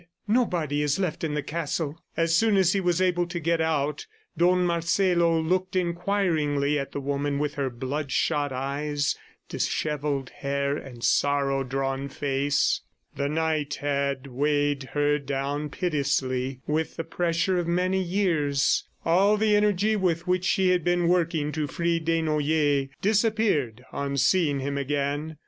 "Nobody is left in the castle." As soon as he was able to get out Don Marcelo looked inquiringly at the woman with her bloodshot eyes, dishevelled hair and sorrow drawn face. The night had weighed her down pitilessly with the pressure of many years. All the energy with which she had been working to free Desnoyers disappeared on seeing him again.